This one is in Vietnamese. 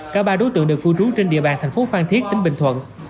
cả ba đối tượng đều cư trú trên địa bàn thành phố phan thiết tỉnh bình thuận